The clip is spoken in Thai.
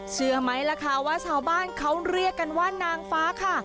เชื่อไหมล่ะค่ะว่าชาวบ้านเขาเรียกกันว่านางฟ้าค่ะ